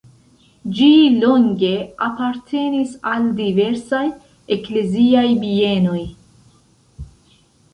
Ĝi longe apartenis al diversaj ekleziaj bienoj.